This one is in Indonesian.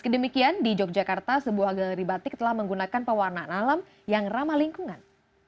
demikian di yogyakarta sebuah galeri batik telah menggunakan pewarnaan alam yang ramah lingkungan